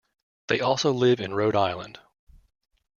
They also live in Rhode Island.